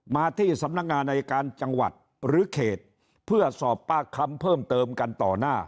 มาที่สำนักงานอายการจังหวัดหรือเขตเพื่อสอบปากคำเพิ่มเติมกันต่อหน้า